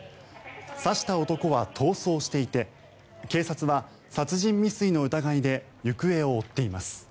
刺した男は逃走していて警察は殺人未遂の疑いで行方を追っています。